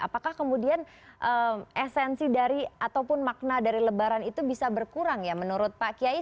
apakah kemudian esensi dari ataupun makna dari lebaran itu bisa berkurang ya menurut pak kiai